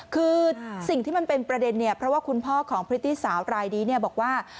คือสิ่งที่มันเป็นประเด็นเพราะว่าคุณพ่อของพฤติสาวรายดีบอกว่า